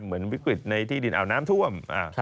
เหมือนวิกฤตในที่ดินเอาน้ำท่วม